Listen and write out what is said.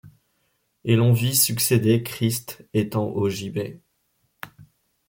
Et l'on vit succéder, Christ étant au gibet